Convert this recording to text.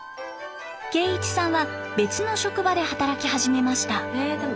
圭一さんは別の職場で働き始めました。